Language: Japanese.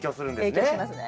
影響しますね。